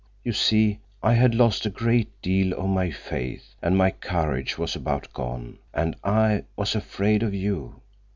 You see, I had lost a great deal of my faith, and my courage was about gone, and I was afraid of you."